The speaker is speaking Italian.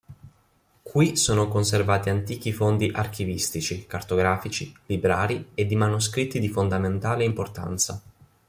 Qui sono conservati antichi fondi archivistici, cartografici, librari e di manoscritti di fondamentale importanza.